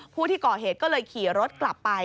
ผู้ที่ก่อเหตุก็เลยขี่รถกลับไป